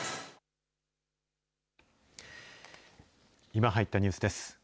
今入ったニュースです。